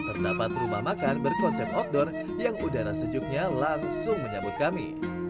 terdapat rumah makan berkonsep outdoor yang udara sejuknya langsung menyambut kami